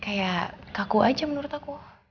kayak kaku aja menurut aku